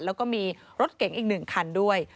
แล้วก็มีรถเก๋งอีก๑คันด้วย